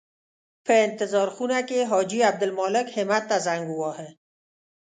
په انتظار خونه کې حاجي عبدالمالک همت ته زنګ وواهه.